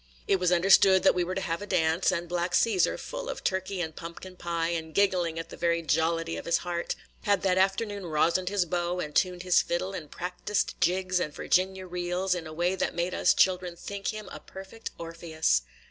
It was understood that we were to have a dance, and black Cæsar, full of turkey and pumpkin pie, and giggling in the very jollity of his heart, had that afternoon rosined his bow, and tuned his fiddle, and practised jigs and Virginia reels, in a way that made us children think him a perfect Orpheus.